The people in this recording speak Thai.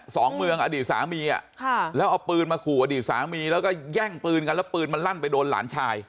สองเมืองอดีตสามีอ่ะค่ะแล้วเอาปืนมาขู่อดีตสามีแล้วก็แย่งปืนกันแล้วปืนมันลั่นไปโดนหลานชาย